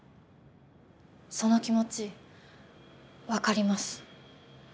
その気持ち分かります。